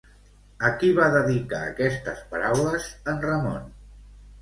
A qui va dedicar aquestes paraules en Ramon?